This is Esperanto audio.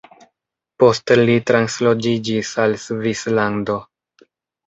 Post li transloĝiĝis al Svislando.